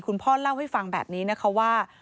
พ่อเล่าให้ฟังแบบนี้นะคะว่า